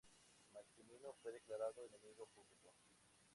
Maximino fue declarado enemigo público.